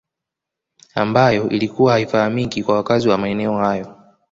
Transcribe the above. Ambayo ilikuwa haifahamiki kwa wakazi wa maeneo hayo